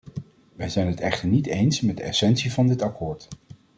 Wij zijn het echter niet eens met de essentie van dit akkoord.